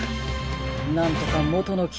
なんとかもとのき